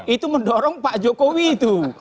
itu mendorong pak jokowi itu